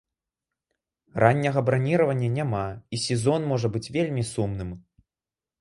Ранняга браніравання няма, і сезон можа быць вельмі сумным.